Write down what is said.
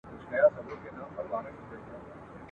پښتنو باید زړه نه وای اچولی.